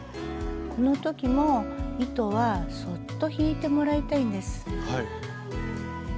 この時も糸はそっと引いてもらいたいんです。